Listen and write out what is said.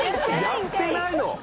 やってないの！？